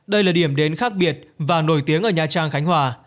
đây là điểm đến khác biệt và nổi tiếng ở nha trang khánh hòa